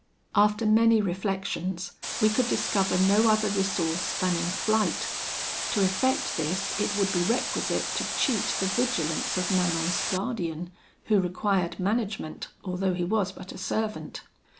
"After many reflections we could discover no other resource than in flight. To effect this it would be requisite to cheat the vigilance of Manon's guardian, who required management, although he was but a servant.